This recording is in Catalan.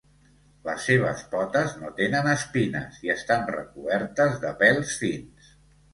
Les seves potes no tenen espines i estan recobertes de pèls fins.